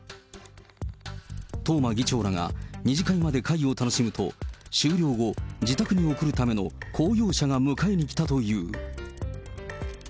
東間議長らが２次会まで会を楽しむと、終了後、自宅に送るための公用車が迎えに来たという。